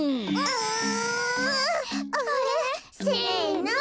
うん。